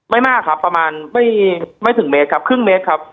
ไม่มากครับประมาณไม่ถึงเมตรครับครึ่งเมตรครับ